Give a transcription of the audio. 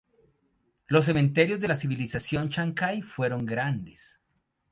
Los cementerios de la civilización chancay fueron grandes.